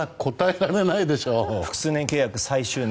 複数年契約の最終年。